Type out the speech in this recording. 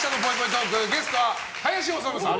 トークゲストは林修さん。